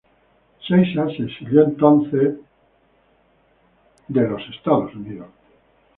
Seixas se exilió entonces en Estados Unidos.